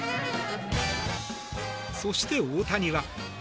そして、大谷は。